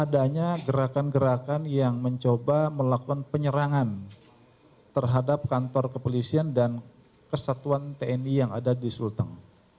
adanya gerakan gerakan yang mencoba melakukan penyerangan terhadap kantor kepolisian dan kesatuan tni yang ada di sulteng